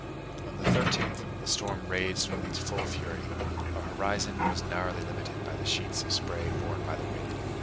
On the 13th the storm raged with its full fury: our horizon was narrowly limited by the sheets of spray borne by the wind.